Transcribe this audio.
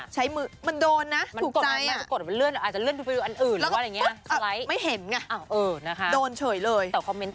ใช้มือมันโดนนะหรือถูกใจ